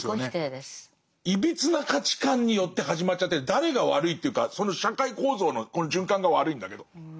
いびつな価値観によって始まっちゃってて誰が悪いというかその社会構造のこの循環が悪いんだけど。